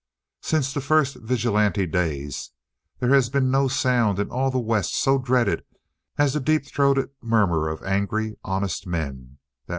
Since the first vigilante days there has been no sound in all the West so dreaded as that deep throated murmur of angry, honest men.